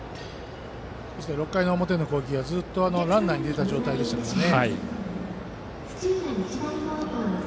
６回表の攻撃はずっとランナーが出た状態でしたからね。